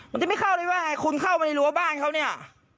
มันจะไม่เข้าได้ว่าไงคุณเข้าไปรู้ว่าบ้านเขาเนี่ย